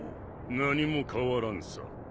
何も変わらんさ。